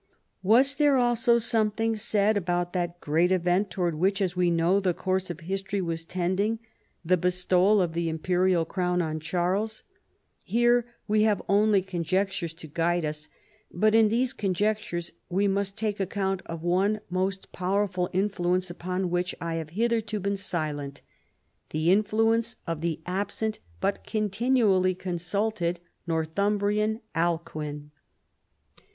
"Was there also something said about that great event towards which, as we know, the course of history was tending, the bestowal of the imperial * See p. 230, note. 248 CHARLEMAGNE. title on Charles 'i Here we have only conjectures to guide us, but in these conjectures we must take account of one most powerful influence upon which I have hitherto been silent, the influence of the absent, but continually consulted Northumbrian, Alcuin.